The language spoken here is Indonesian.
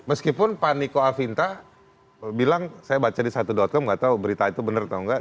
meskipun pak niko afinta bilang saya baca di satu com gak tahu berita itu benar atau enggak